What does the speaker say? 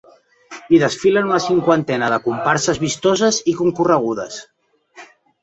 Hi desfilen una cinquantena de comparses vistoses i concorregudes.